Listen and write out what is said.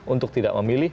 untuk tidak memilih